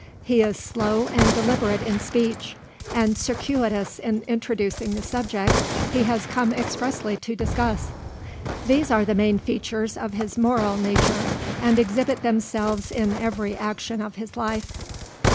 He is slow and deliberate in speech, and circuitous in introducing the subject he has come expressly to discuss. These are the main features of his moral nature, and exhibit themselves in every action of his life.